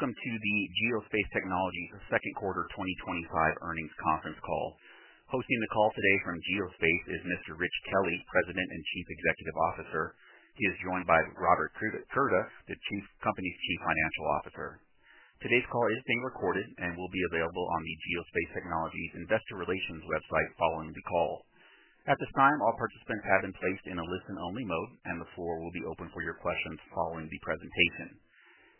Welcome to the Geospace Technologies' Q2 2025 Earnings Conference Call. Hosting the call today from Geospace is Mr. Rich Kelley, President and Chief Executive Officer. He is joined by Robert Curda, the company's Chief Financial Officer. Today's call is being recorded and will be available on the Geospace Technologies' Investor Relations website following the call. At this time, all participants have been placed in a listen-only mode, and the floor will be open for your questions following the presentation.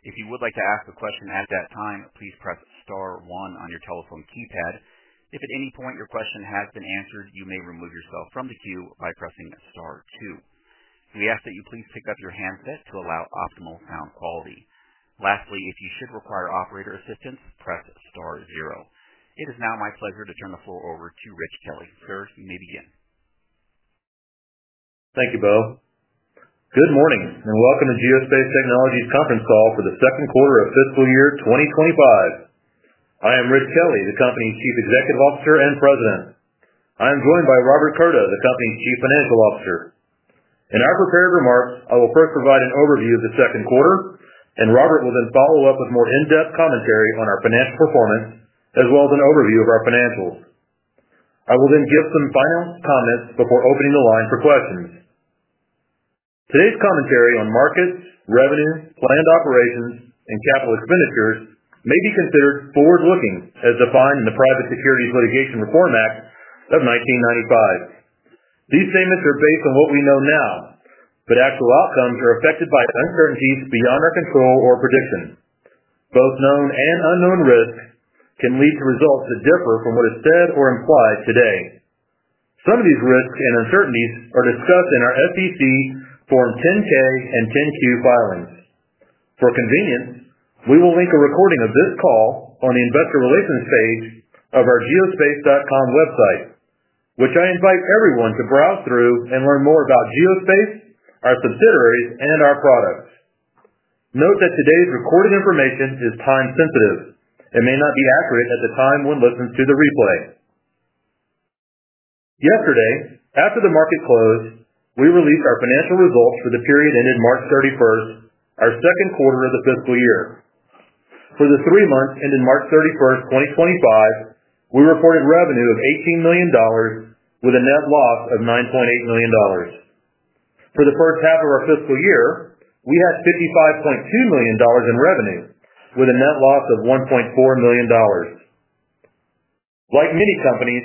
If you would like to ask a question at that time, please press star one on your telephone keypad. If at any point your question has been answered, you may remove yourself from the queue by pressing star two. We ask that you please pick up your handset to allow optimal sound quality. Lastly, if you should require operator assistance, press star zero. It is now my pleasure to turn the floor over to Rich Kelley. Sir, you may begin. Thank you, Bill. Good morning and welcome to Geospace Technologies' Conference Call for the Q2 of Fiscal year 2025. I am Rich Kelley, the company's Chief Executive Officer and President. I am joined by Robert Curda, the company's Chief Financial Officer. In our prepared remarks, I will first provide an overview of the Q2, and Robert will then follow up with more in-depth commentary on our financial performance as well as an overview of our financials. I will then give some final comments before opening the line for questions. Today's commentary on markets, revenue, planned operations, and capital expenditures may be considered forward-looking as defined in the Private Securities Litigation Reform Act of 1995. These statements are based on what we know now, but actual outcomes are affected by uncertainties beyond our control or prediction. Both known and unknown risks can lead to results that differ from what is said or implied today. Some of these risks and uncertainties are discussed in our SEC Form 10-K and 10-Q filings. For convenience, we will link a recording of this call on the Investor Relations page of our geospace.com website, which I invite everyone to browse through and learn more about Geospace, our subsidiaries, and our products. Note that today's recorded information is time-sensitive and may not be accurate at the time one listens to the replay. Yesterday, after the market closed, we released our financial results for the period ended March 31, our Q2 of the fiscal year. For the three months ended 31 March,2025, we reported revenue of $18 million with a net loss of $9.8 million. For the first half of our fiscal year, we had $55.2 million in revenue with a net loss of $1.4 million. Like many companies,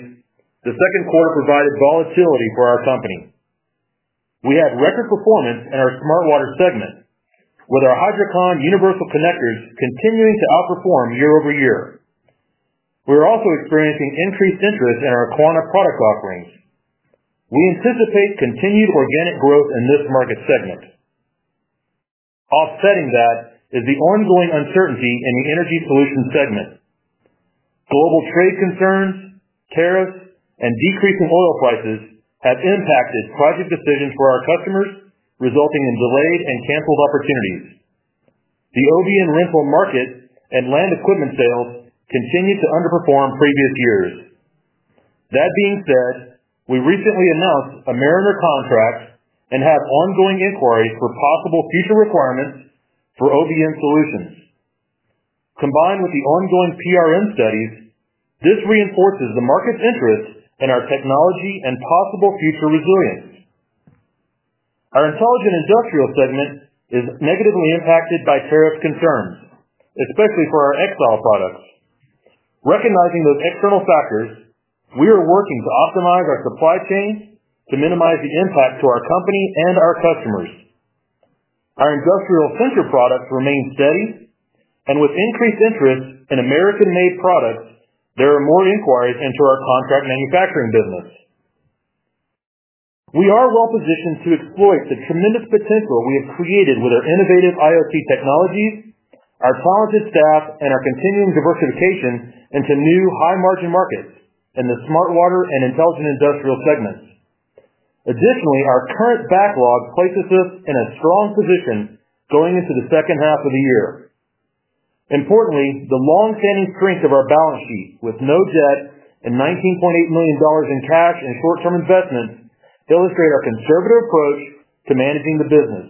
the Q2 provided volatility for our company. We had record performance in our smart water segment, with our Hydrocon universal connectors continuing to outperform year over year. We are also experiencing increased interest in our Aquana product offerings. We anticipate continued organic growth in this market segment. Offsetting that is the ongoing uncertainty in the energy solution segment. Global trade concerns, tariffs, and decreasing oil prices have impacted project decisions for our customers, resulting in delayed and canceled opportunities. The OBN rental market and land equipment sales continue to underperform previous years. That being said, we recently announced a Mariner contract and have ongoing inquiries for possible future requirements for OBN solutions. Combined with the ongoing PRM studies, this reinforces the market's interest in our technology and possible future resilience. Our intelligent industrial segment is negatively impacted by tariff concerns, especially for our XOL products. Recognizing those external factors, we are working to optimize our supply chain to minimize the impact to our company and our customers. Our industrial sensor products remain steady, and with increased interest in American-made products, there are more inquiries into our contract manufacturing business. We are well-positioned to exploit the tremendous potential we have created with our innovative IoT technologies, our talented staff, and our continuing diversification into new high-margin markets in the smart water and intelligent industrial segments. Additionally, our current backlog places us in a strong position going into the second half of the year. Importantly, the long-standing strength of our balance sheet, with no debt and $19.8 million in cash and short-term investments, illustrates our conservative approach to managing the business.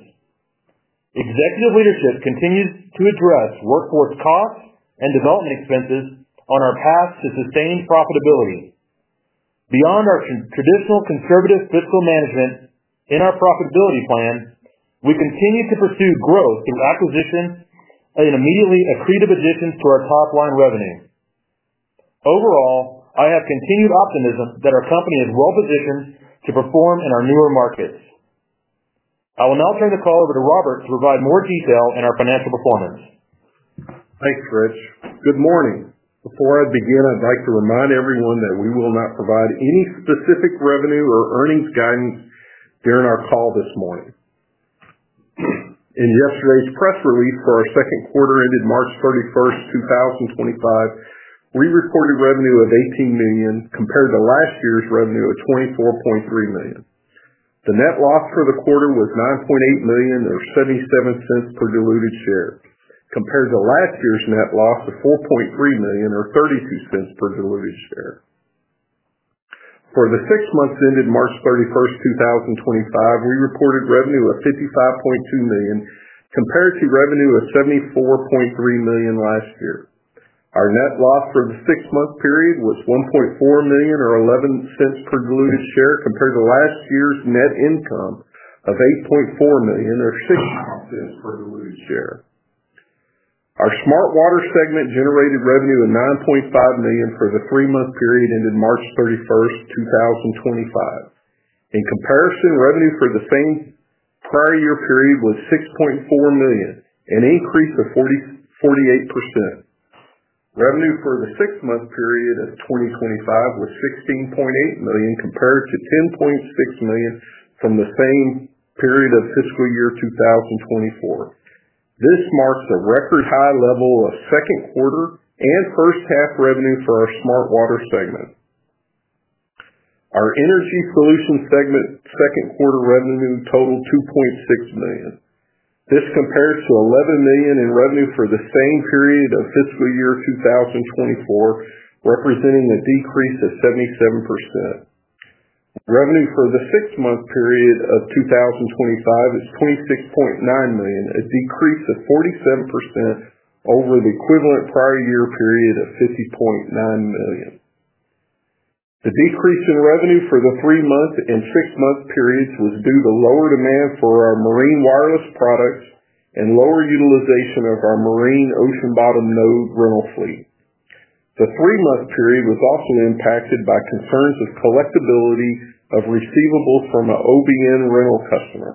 Executive leadership continues to address workforce costs and development expenses on our path to sustained profitability. Beyond our traditional conservative fiscal management in our profitability plan, we continue to pursue growth through acquisitions and immediately accretive additions to our top-line revenue. Overall, I have continued optimism that our company is well-positioned to perform in our newer markets. I will now turn the call over to Robert to provide more detail in our financial performance. Thanks, Rich. Good morning. Before I begin, I'd like to remind everyone that we will not provide any specific revenue or earnings guidance during our call this morning. In yesterday's press release for our Q2 ended 31 March,2025, we reported revenue of $18 million compared to last year's revenue of $24.3 million. The net loss for the quarter was $9.8 million, or $0.77 per diluted share, compared to last year's net loss of $4.3 million, or $0.32 per diluted share. For the six months ended 31 March,2025, we reported revenue of $55.2 million compared to revenue of $74.3 million last year. Our net loss for the six-month period was $1.4 million, or $0.11 per diluted share, compared to last year's net income of $8.4 million, or $0.60 per diluted share. Our smart water segment generated revenue of $9.5 million for the three-month period ended 31 March,2025. In comparison, revenue for the same prior year period was $6.4 million, an increase of 48%. Revenue for the six-month period of 2025 was $16.8 million compared to $10.6 million from the same period of fiscal year 2024. This marks a record high level of Q2 and first-half revenue for our smart water segment. Our energy solution segment Q2 revenue totaled $2.6 million. This compares to $11 million in revenue for the same period of fiscal year 2024, representing a decrease of 77%. Revenue for the six-month period of 2025 is $26.9 million, a decrease of 47% over the equivalent prior year period of $50.9 million. The decrease in revenue for the three-month and six-month periods was due to lower demand for our marine wireless products and lower utilization of our marine ocean bottom node rental fleet. The three-month period was also impacted by concerns of collectibility of receivables from an OBN rental customer.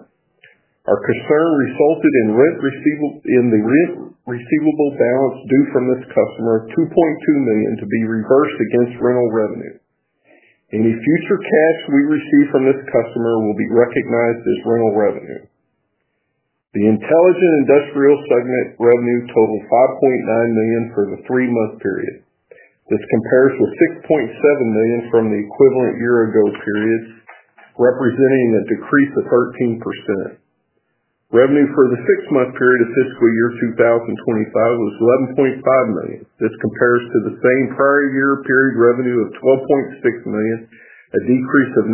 Our concern resulted in the receivable balance due from this customer, $2.2 million, to be reversed against rental revenue. Any future cash we receive from this customer will be recognized as rental revenue. The intelligent industrial segment revenue totaled $5.9 million for the three-month period. This compares with $6.7 million from the equivalent year-ago period, representing a decrease of 13%. Revenue for the six-month period of fiscal year 2025 was $11.5 million. This compares to the same prior year period revenue of $12.6 million, a decrease of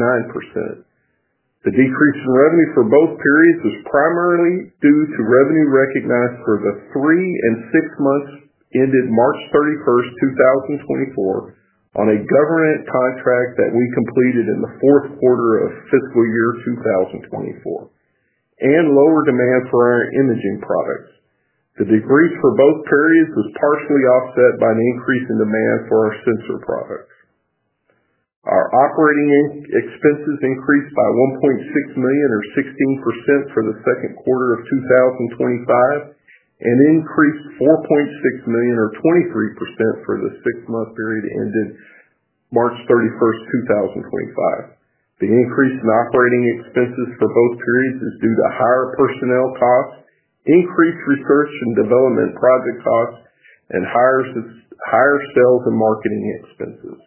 9%. The decrease in revenue for both periods was primarily due to revenue recognized for the three and six months ended 31 March, 2024, on a government contract that we completed in the Q4 of fiscal year 2024, and lower demand for our imaging products. The decrease for both periods was partially offset by an increase in demand for our sensor products. Our operating expenses increased by $1.6 million, or 16%, for the Q2 of 2025, and increased $4.6 million, or 23%, for the six-month period ended 31 March,2025. The increase in operating expenses for both periods is due to higher personnel costs, increased research and development project costs, and higher sales and marketing expenses.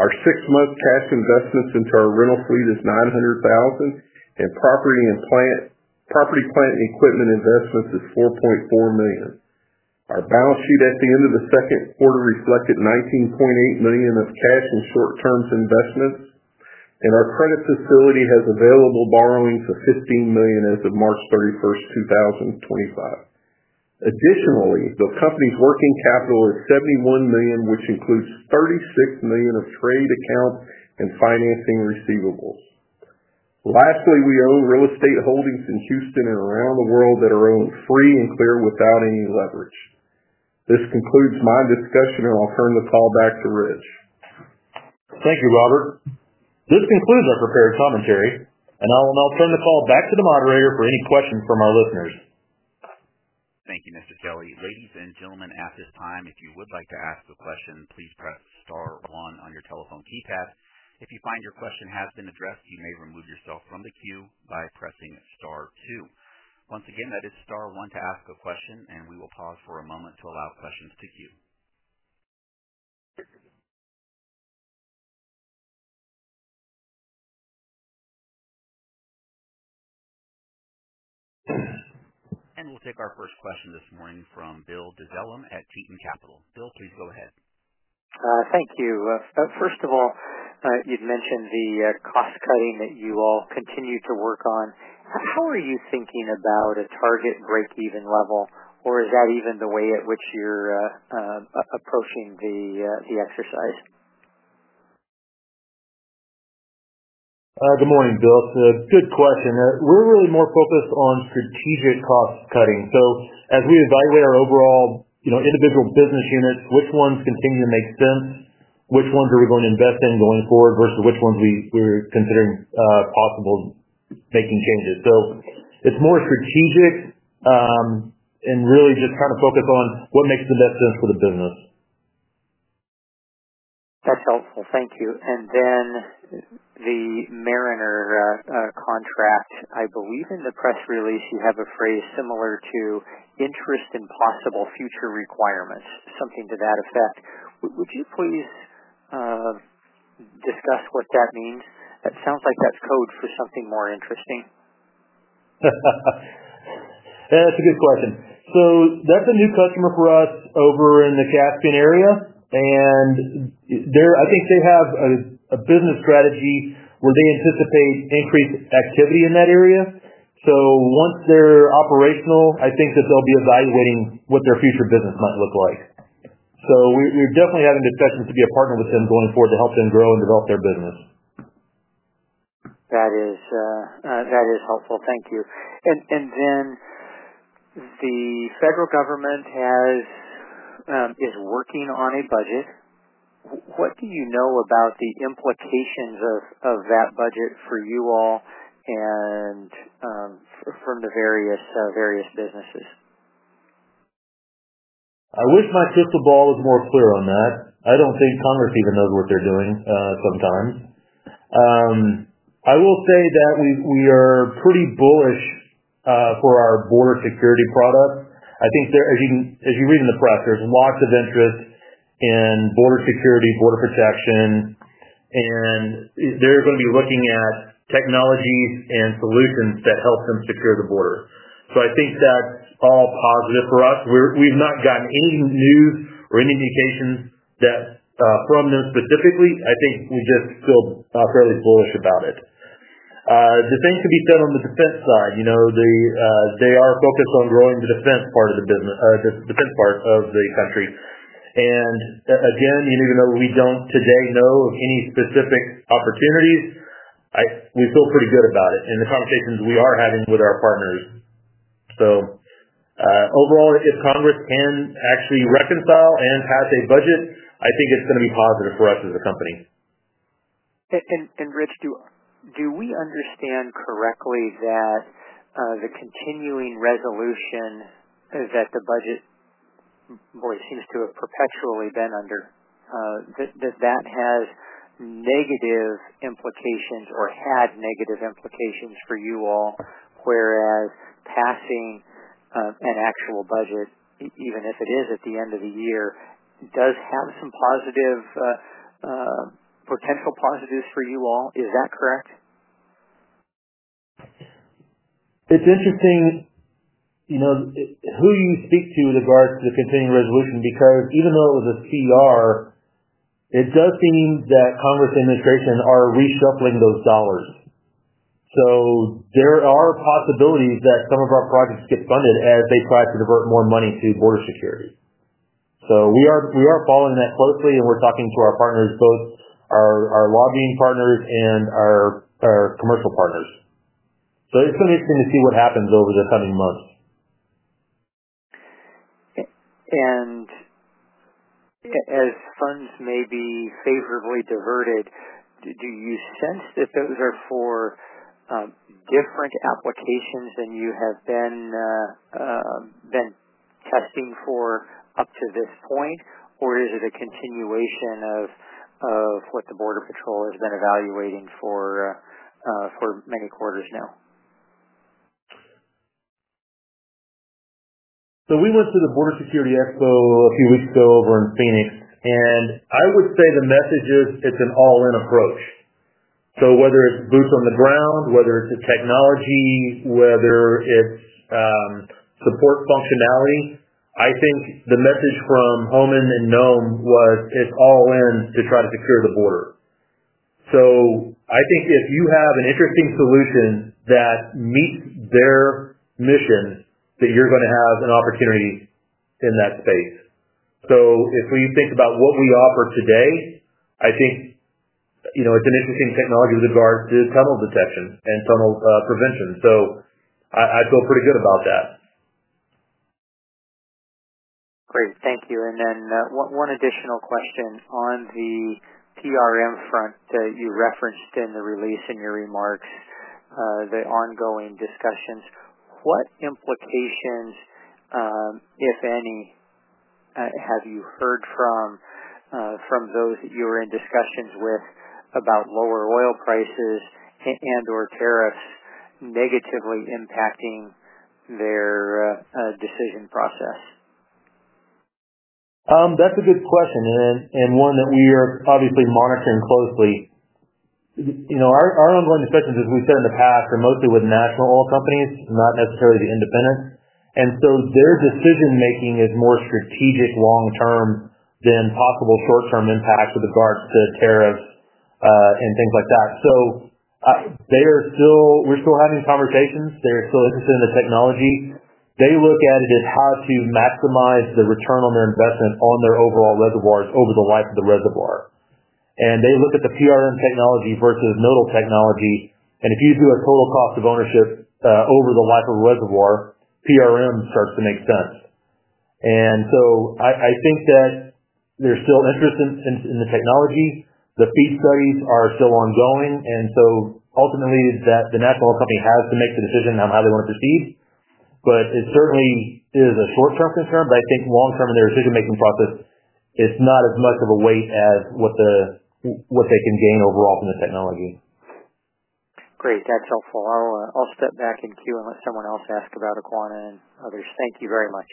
Our six-month cash investments into our rental fleet is $900,000, and property plant equipment investments is $4.4 million. Our balance sheet at the end of the Q2 reflected $19.8 million of cash and short-term investments, and our credit facility has available borrowings of $15 million as of 31 March,2025. Additionally, the company's working capital is $71 million, which includes $36 million of trade accounts and financing receivables. Lastly, we own real estate holdings in Houston and around the world that are owned free and clear without any leverage. This concludes my discussion, and I'll turn the call back to Rich. Thank you, Robert. This concludes our prepared commentary, and I'll now turn the call back to the moderator for any questions from our listeners. Thank you, Mr. Kelley. Ladies and gentlemen, at this time, if you would like to ask a question, please press star one on your telephone keypad. If you find your question has been addressed, you may remove yourself from the queue by pressing star two. Once again, that is star one to ask a question, and we will pause for a moment to allow questions to queue. We will take our first question this morning from Bill Dedellum at Teton Capital. Bill, please go ahead. Thank you. First of all, you'd mentioned the cost cutting that you all continue to work on. How are you thinking about a target break-even level, or is that even the way at which you're approaching the exercise? Good morning, Bill. Good question. We're really more focused on strategic cost cutting. As we evaluate our overall individual business units, which ones continue to make sense, which ones are we going to invest in going forward, versus which ones we're considering possibly making changes. It is more strategic and really just trying to focus on what makes the best sense for the business. That's helpful. Thank you. The Mariner contract, I believe in the press release you have a phrase similar to interest in possible future requirements, something to that effect. Would you please discuss what that means? It sounds like that's code for something more interesting. That's a good question. That's a new customer for us over in the Gascon area, and I think they have a business strategy where they anticipate increased activity in that area. Once they're operational, I think that they'll be evaluating what their future business might look like. We're definitely having discussions to be a partner with them going forward to help them grow and develop their business. That is helpful. Thank you. The federal government is working on a budget. What do you know about the implications of that budget for you all and from the various businesses? I wish my crystal ball was more clear on that. I do not think Congress even knows what they are doing sometimes. I will say that we are pretty bullish for our border security products. I think, as you read in the press, there is lots of interest in border security, border protection, and they are going to be looking at technologies and solutions that help them secure the border. I think that is all positive for us. We have not gotten any news or any indications from them specifically. I think we just feel fairly bullish about it. The same can be said on the defense side. They are focused on growing the defense part of the country. Again, even though we do not today know of any specific opportunities, we feel pretty good about it in the conversations we are having with our partners. Overall, if Congress can actually reconcile and pass a budget, I think it's going to be positive for us as a company. Rich, do we understand correctly that the continuing resolution that the budget, boy, seems to have perpetually been under, that that has negative implications or had negative implications for you all, whereas passing an actual budget, even if it is at the end of the year, does have some potential positives for you all? Is that correct? It's interesting who you speak to with regards to the continuing resolution because even though it was a CR, it does seem that Congress administration are reshuffling those dollars. There are possibilities that some of our projects get funded as they try to divert more money to border security. We are following that closely, and we're talking to our partners, both our lobbying partners and our commercial partners. It's going to be interesting to see what happens over the coming months. As funds may be favorably diverted, do you sense that those are for different applications than you have been testing for up to this point, or is it a continuation of what the Border Patrol has been evaluating for many quarters now? We went to the Border Security Expo a few weeks ago over in Phoenix, and I would say the message is it's an all-in approach. Whether it's boots on the ground, whether it's a technology, whether it's support functionality, I think the message from Hohmann and NOAA was it's all-in to try to secure the border. I think if you have an interesting solution that meets their mission, you're going to have an opportunity in that space. If we think about what we offer today, I think it's an interesting technology with regards to tunnel detection and tunnel prevention. I feel pretty good about that. Great. Thank you. One additional question. On the PRM front, you referenced in the release in your remarks the ongoing discussions. What implications, if any, have you heard from those that you were in discussions with about lower oil prices and/or tariffs negatively impacting their decision process? That's a good question and one that we are obviously monitoring closely. Our ongoing discussions, as we've said in the past, are mostly with national oil companies, not necessarily the independents. Their decision-making is more strategic long-term than possible short-term impacts with regards to tariffs and things like that. We're still having conversations. They're still interested in the technology. They look at it as how to maximize the return on their investment on their overall reservoirs over the life of the reservoir. They look at the PRM technology versus nodal technology. If you do a total cost of ownership over the life of a reservoir, PRM starts to make sense. I think that there's still interest in the technology. The feed studies are still ongoing. Ultimately, the national oil company has to make the decision on how they want to proceed. It certainly is a short-term concern. I think long-term in their decision-making process, it's not as much of a weight as what they can gain overall from the technology. Great. That's helpful. I'll step back in queue and let someone else ask about Aquana and others. Thank you very much.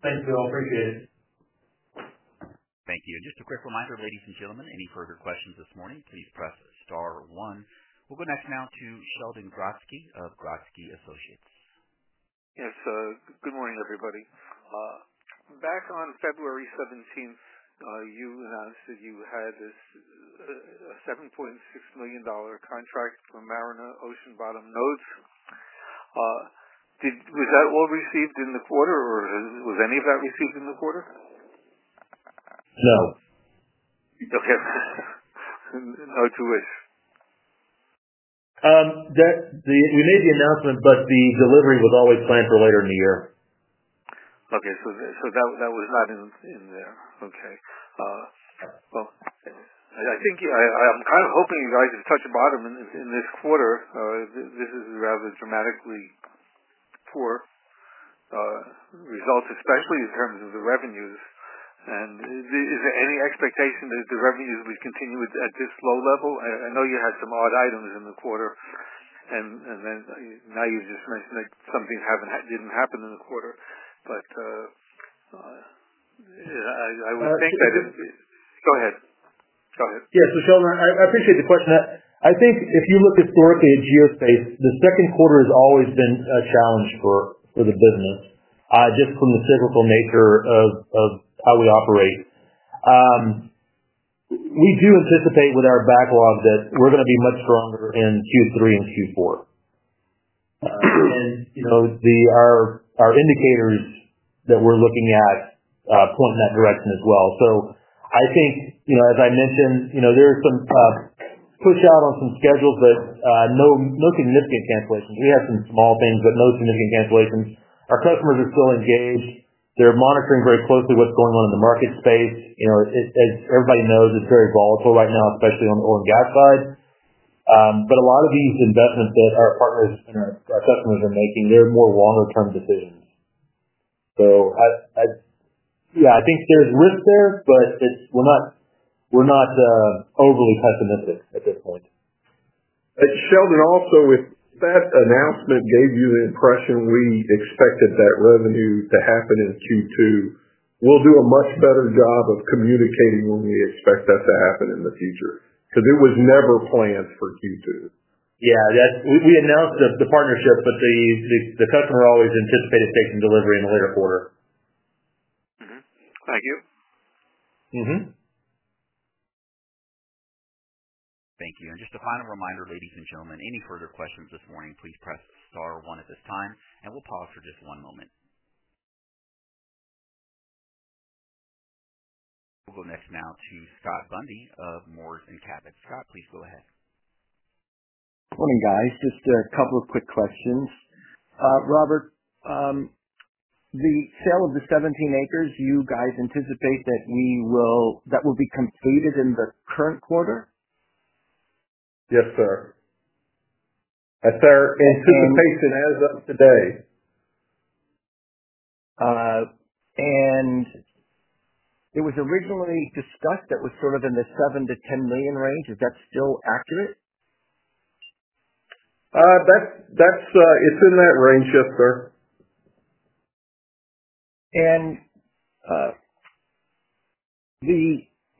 Thanks, Bill. Appreciate it. Thank you. Just a quick reminder, ladies and gentlemen, any further questions this morning, please press star one. We'll go next now to Sheldon Grodsky of Grodsky Associates. Yes. Good morning, everybody. Back on February 17, you announced that you had a $7.6 million contract for Mariner ocean bottom nodes. Was that all received in the quarter, or was any of that received in the quarter? No. Okay. No to which? We made the announcement, but the delivery was always planned for later in the year. Okay. So that was not in there. Okay. I'm kind of hoping you guys have touched bottom in this quarter. This is a rather dramatically poor result, especially in terms of the revenues. Is there any expectation that the revenues would continue at this low level? I know you had some odd items in the quarter, and now you just mentioned that some things did not happen in the quarter. I would think that it. Well. Go ahead. Yes, Mr. Sheldon. I appreciate the question. I think if you look historically at Geospace, the Q2 has always been a challenge for the business just from the cyclical nature of how we operate. We do anticipate with our backlog that we're going to be much stronger in Q3 and Q4. Our indicators that we're looking at point in that direction as well. I think, as I mentioned, there is some push-out on some schedules, but no significant cancellations. We have some small things, but no significant cancellations. Our customers are still engaged. They're monitoring very closely what's going on in the market space. As everybody knows, it's very volatile right now, especially on the oil and gas side. A lot of these investments that our partners and our customers are making, they're more longer-term decisions. Yeah, I think there's risk there, but we're not overly pessimistic at this point. Sheldon, also with that announcement, gave you the impression we expected that revenue to happen in Q2. We'll do a much better job of communicating when we expect that to happen in the future because it was never planned for Q2. Yeah. We announced the partnership, but the customer always anticipated taking delivery in the later quarter. Thank you. Mm-hmm. Thank you. And just a final reminder, ladies and gentlemen, any further questions this morning, please press star one at this time. We'll pause for just one moment. We'll go next now to Scott Bundy of Moors & Cabot. Scott, please go ahead. Morning, guys. Just a couple of quick questions. Robert, the sale of the 17 acres, you guys anticipate that will be completed in the current quarter? Yes, sir. Is there anticipation as of today? It was originally discussed that was sort of in the $7 million-$10 million range. Is that still accurate? It's in that range, yes, sir.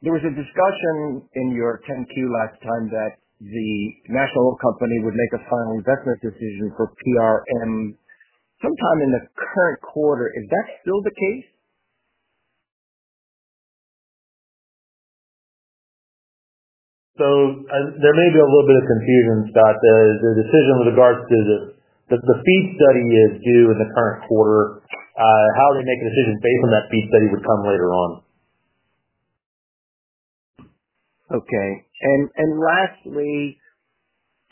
There was a discussion in your 10-Q last time that the national oil company would make a final investment decision for PRM sometime in the current quarter. Is that still the case? There may be a little bit of confusion, Scott. The decision with regards to the feed study is due in the current quarter. How they make a decision based on that feed study would come later on. Okay. Lastly,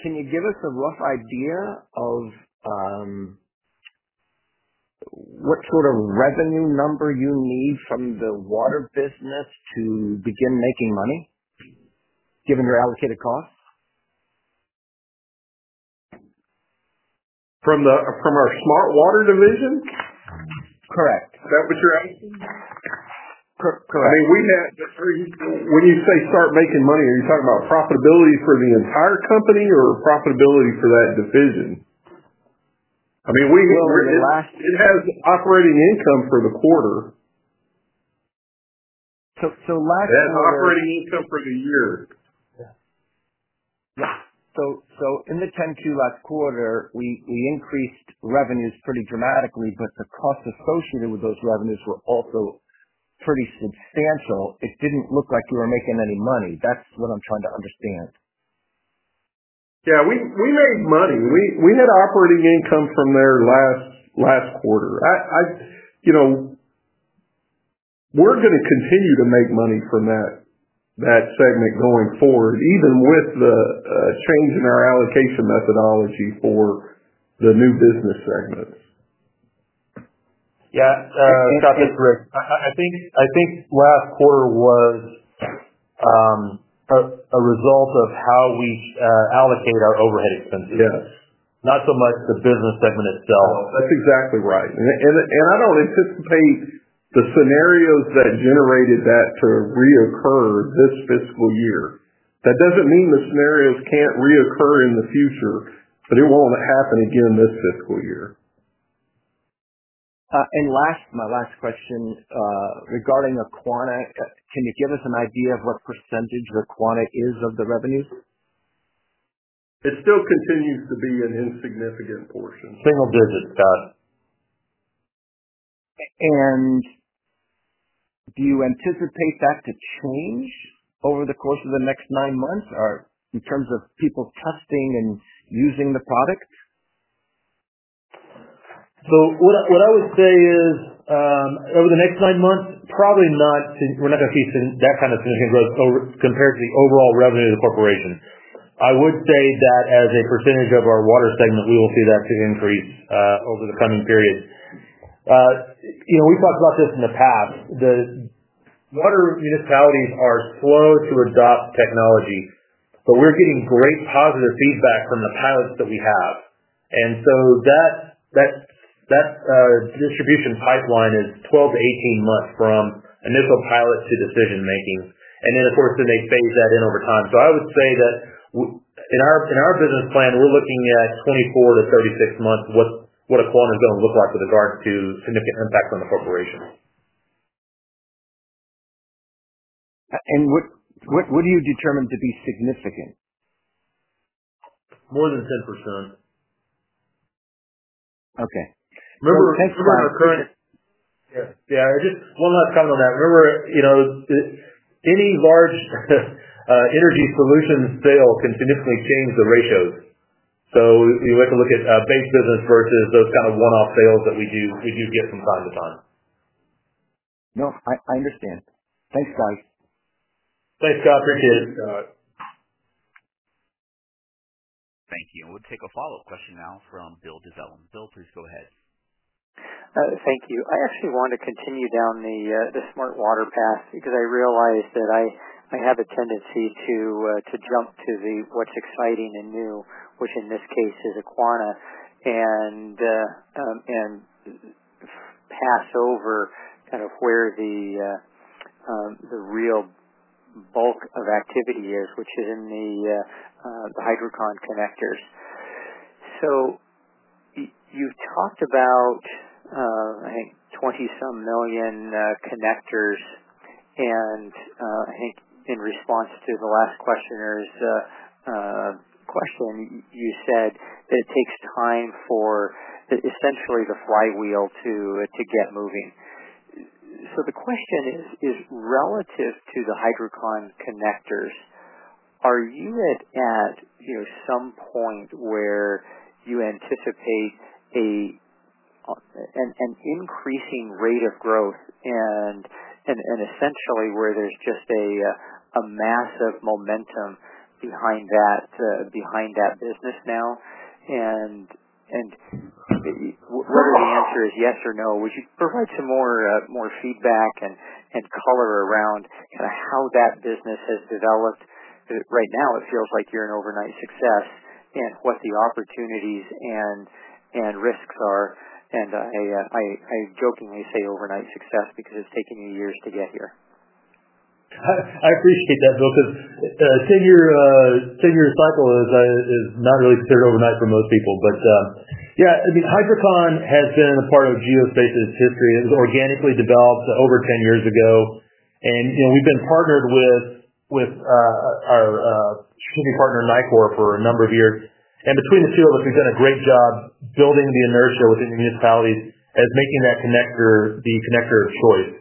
can you give us a rough idea of what sort of revenue number you need from the water business to begin making money given your allocated costs? From our smart water division? Correct. Is that what you're asking? Correct. I mean, when you say start making money, are you talking about profitability for the entire company or profitability for that division? I mean, we. Well, last. It has operating income for the quarter. Last quarter. It has operating income for the year. Yeah. Yeah. In the 10Q last quarter, we increased revenues pretty dramatically, but the costs associated with those revenues were also pretty substantial. It did not look like you were making any money. That is what I am trying to understand. Yeah. We made money. We had operating income from there last quarter. We're going to continue to make money from that segment going forward, even with the change in our allocation methodology for the new business segments. Yeah. Scott, this is Rick. I think last quarter was a result of how we allocate our overhead expenses, not so much the business segment itself. Oh, that's exactly right. I don't anticipate the scenarios that generated that to reoccur this fiscal year. That doesn't mean the scenarios can't reoccur in the future, but it won't happen again this fiscal year. My last question regarding Aquana, can you give us an idea of what percentage Aquana is of the revenues? It still continues to be an insignificant portion. Single digit, Scott. Do you anticipate that to change over the course of the next nine months in terms of people testing and using the product? What I would say is over the next nine months, probably not. We're not going to see that kind of significant growth compared to the overall revenue of the corporation. I would say that as a percentage of our water segment, we will see that increase over the coming period. We've talked about this in the past. The water municipalities are slow to adopt technology, but we're getting great positive feedback from the pilots that we have. That distribution pipeline is 12 to 18 months from initial pilot to decision-making. Of course, they phase that in over time. I would say that in our business plan, we're looking at 24 to 36 months what Aquana is going to look like with regards to significant impact on the corporation. What do you determine to be significant? More than 10%. Okay. Thanks for. Remember, we're on a current. Yeah. Yeah. Just one last comment on that. Remember, any large energy solution sale can significantly change the ratios. So we like to look at base business versus those kind of one-off sales that we do get from time to time. No, I understand. Thanks, guys. Thanks, Scott. Appreciate it. Thanks, Scott. Thank you. We'll take a follow-up question now from Bill Dezellem. Bill, please go ahead. Thank you. I actually want to continue down the smart water path because I realize that I have a tendency to jump to what's exciting and new, which in this case is Aquana, and pass over kind of where the real bulk of activity is, which is in the Hydrocon connectors. You have talked about, I think, 20-some million connectors. I think in response to the last questioner's question, you said that it takes time for essentially the flywheel to get moving. The question is, relative to the Hydrocon connectors, are you at some point where you anticipate an increasing rate of growth and essentially where there is just a massive momentum behind that business now? Whether the answer is yes or no, would you provide some more feedback and color around kind of how that business has developed? Right now, it feels like you're an overnight success and what the opportunities and risks are. I jokingly say overnight success because it's taken you years to get here. I appreciate that, Bill, because a 10-year cycle is not really considered overnight for most people. Yeah, I mean, Hydrocon has been a part of Geospace's history. It was organically developed over 10 years ago. We've been partnered with our strategic partner, Nycor, for a number of years. Between the two of us, we've done a great job building the inertia within the municipalities as making that connector the connector of choice.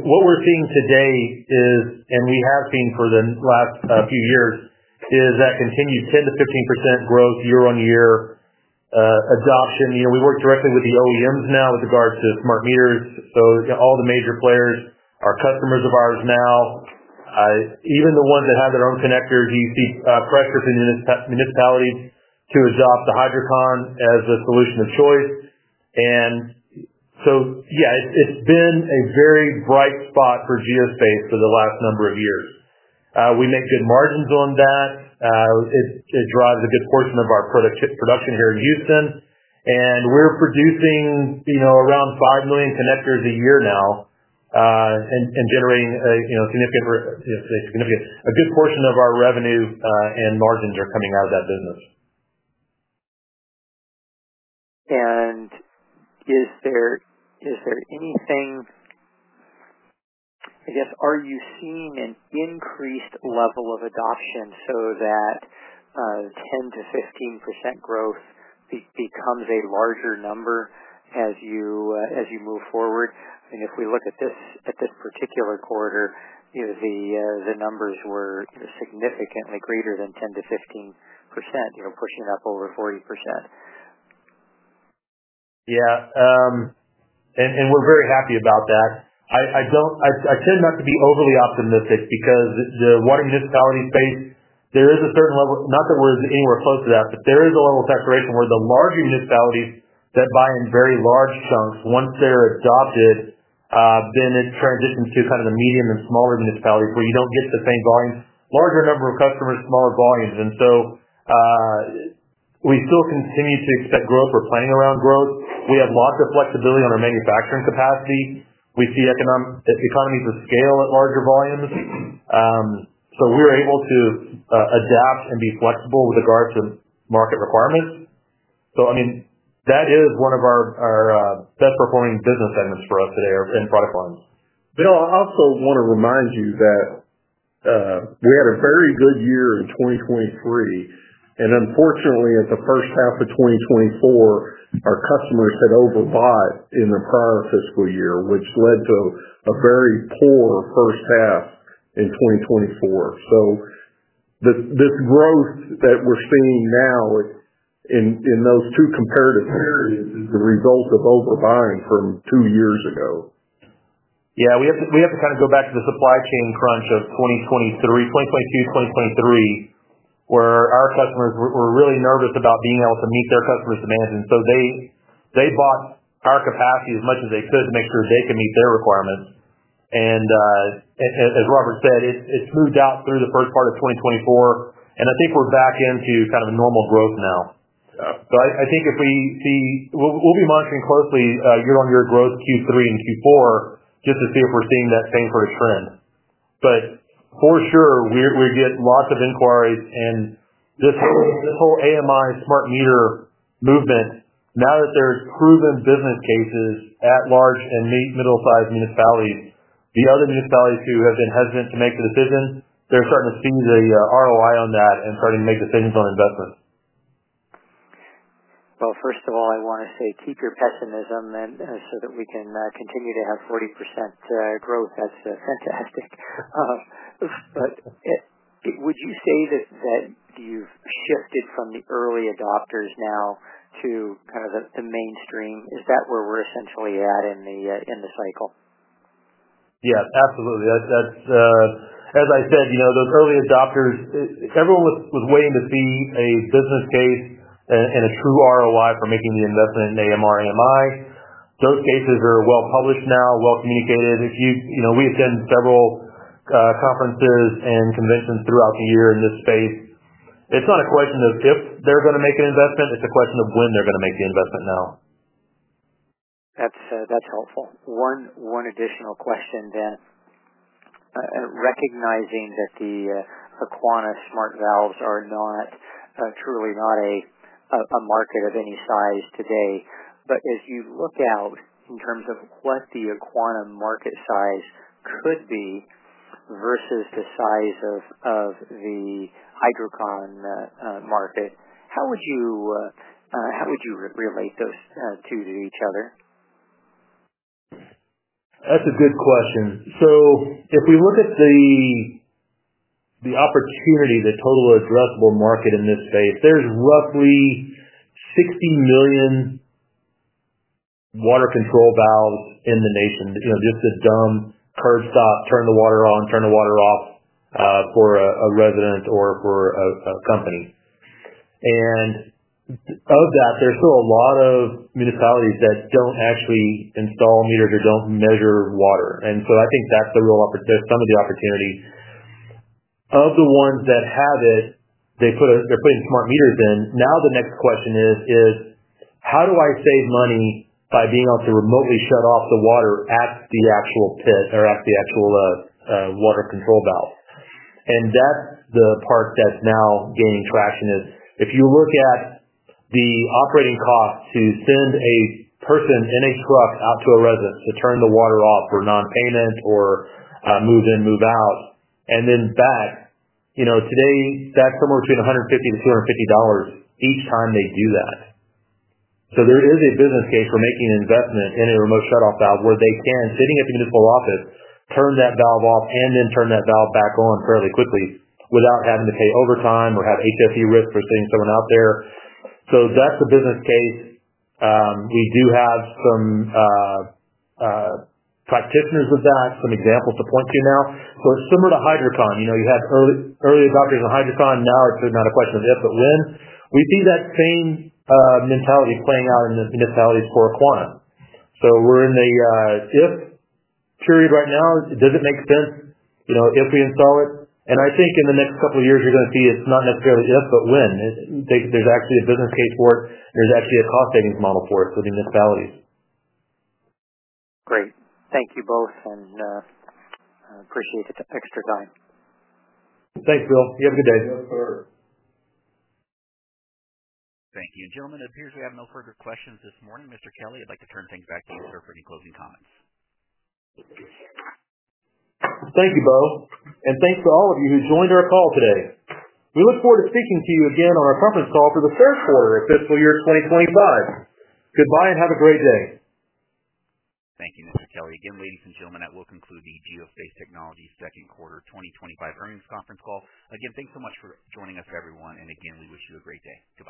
What we're seeing today is, and we have seen for the last few years, is that continued 10%-15% growth year on year adoption. We work directly with the OEMs now with regards to smart meters. All the major players are customers of ours now. Even the ones that have their own connectors, you see pressure from municipalities to adopt the Hydrocon as a solution of choice. Yeah, it has been a very bright spot for Geospace for the last number of years. We make good margins on that. It drives a good portion of our production here in Houston. We are producing around 5 million connectors a year now and generating a significant—a good portion of our revenue and margins are coming out of that business. Is there anything—I guess, are you seeing an increased level of adoption so that 10-15% growth becomes a larger number as you move forward? I mean, if we look at this particular quarter, the numbers were significantly greater than 10 % to 15%, pushing up over 40%. Yeah. And we're very happy about that. I tend not to be overly optimistic because the water municipality space, there is a certain level—not that we're anywhere close to that—but there is a level of saturation where the larger municipalities that buy in very large chunks, once they're adopted, then it transitions to kind of the medium and smaller municipalities where you don't get the same volumes. Larger number of customers, smaller volumes. We still continue to expect growth. We're planning around growth. We have lots of flexibility on our manufacturing capacity. We see economies of scale at larger volumes. We're able to adapt and be flexible with regards to market requirements. I mean, that is one of our best-performing business segments for us today in product lines. Bill, I also want to remind you that we had a very good year in 2023. Unfortunately, in the first half of 2024, our customers had overbought in the prior fiscal year, which led to a very poor first half in 2024. This growth that we're seeing now in those two comparative periods is the result of overbuying from two years ago. Yeah. We have to kind of go back to the supply chain crunch of 2022, 2023, where our customers were really nervous about being able to meet their customers' demands. They bought our capacity as much as they could to make sure they could meet their requirements. As Robert said, it smoothed out through the first part of 2024. I think we are back into kind of normal growth now. I think if we see—we will be monitoring closely year on year growth Q3 and Q4 just to see if we are seeing that same sort of trend. For sure, we get lots of inquiries. This whole AMI smart meter movement, now that there are proven business cases at large and middle-sized municipalities, the other municipalities who have been hesitant to make the decision, they are starting to see the ROI on that and starting to make decisions on investments. First of all, I want to say keep your pessimism so that we can continue to have 40% growth. That's fantastic. Would you say that you've shifted from the early adopters now to kind of the mainstream? Is that where we're essentially at in the cycle? Yes, absolutely. As I said, those early adopters, everyone was waiting to see a business case and a true ROI for making the investment in AMR, AMI. Those cases are well-published now, well-communicated. We attend several conferences and conventions throughout the year in this space. It's not a question of if they're going to make an investment. It's a question of when they're going to make the investment now. That's helpful. One additional question then. Recognizing that the Aquana smart valves are truly not a market of any size today, but as you look out in terms of what the Aquana market size could be versus the size of the Hydrocon market, how would you relate those two to each other? That's a good question. If we look at the opportunity, the total addressable market in this space, there's roughly 60 million water control valves in the nation, just the dumb curb stop, turn the water on, turn the water off for a resident or for a company. Of that, there's still a lot of municipalities that don't actually install meters or don't measure water. I think that's the real opportunity—some of the opportunity. Of the ones that have it, they're putting smart meters in. The next question is, how do I save money by being able to remotely shut off the water at the actual pit or at the actual water control valve? That's the part that's now gaining traction. If you look at the operating cost to send a person in a truck out to a resident to turn the water off for non-payment or move in, move out, and then back, today, that's somewhere between $150-$250 each time they do that. There is a business case for making an investment in a remote shutoff valve where they can, sitting at the municipal office, turn that valve off and then turn that valve back on fairly quickly without having to pay overtime or have HSE risk for sending someone out there. That is a business case. We do have some practitioners of that, some examples to point to now. It is similar to Hydrocon. You had early adopters in Hydrocon. Now it is not a question of if, but when. We see that same mentality playing out in the municipalities for Aquana. We're in the if period right now. Does it make sense if we install it? I think in the next couple of years, you're going to see it's not necessarily if, but when. There's actually a business case for it. There's actually a cost-savings model for it for the municipalities. Great. Thank you both. I appreciate the extra time. Thanks, Bill. You have a good day. Yes, sir. Thank you. Gentlemen, it appears we have no further questions this morning. Mr. Kelley, I'd like to turn things back to you, sir, for any closing comments. Thank you, Bo. And thanks to all of you who joined our call today. We look forward to speaking to you again on our conference call for the Q3 of fiscal year 2025. Goodbye and have a great day. Thank you, Mr. Kelley. Again, ladies and gentlemen, that will conclude the Geospace Technologies Q2 2025 earnings conference call. Again, thanks so much for joining us, everyone. We wish you a great day. Goodbye.